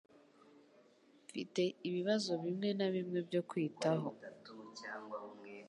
Mfite ibibazo bimwe na bimwe byo kwitaho